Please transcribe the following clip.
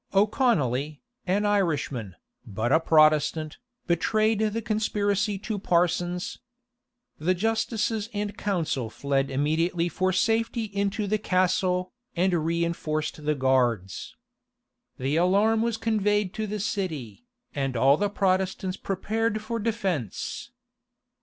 O'Conolly, an Irishman, but a Protestant, betrayed the conspiracy to Parsons.[*] The justices and council fled immediately for safety into the castle, and reënforced the guards. The alarm was conveyed to the city, and all the Protestants prepared for defence.